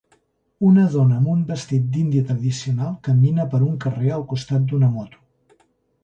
Una dona amb un vestit d'Índia tradicional camina per un carrer al costat d'una moto.